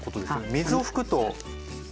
水を拭くと何が。